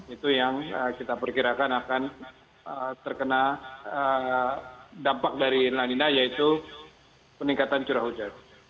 itu yang kita perkirakan akan terkena dampak dari lanina yaitu peningkatan curah hujan